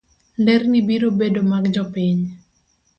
nderni biro bedo mag jopiny.